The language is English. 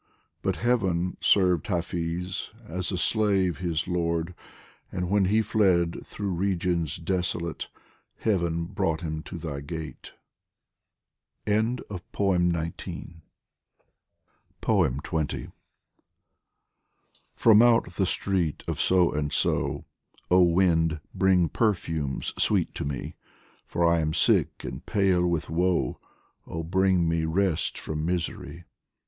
But Heaven served Hafiz, as a slave his lord, And when he fled through regions desolate, Heaven brought him to thy gate. xx FROM out the street of So and So, Oh wind, bring perfumes sweet to me ! For I am sick and pale with woe ; Oh bring me rest from misery